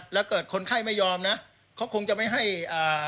แล้วเกิดคนไข้ไม่ยอมนะเขาคงจะไม่ให้อ่า